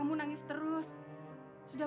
tolong lasmi lidah